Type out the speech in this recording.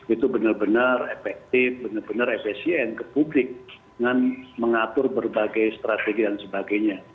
itu benar benar efektif benar benar efesien ke publik dengan mengatur berbagai strategi dan sebagainya